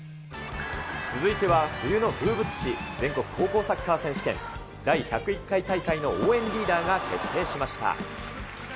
続いては冬の風物詩、全国高校サッカー選手権、第１０１回大会の応援リーダーが決定しました。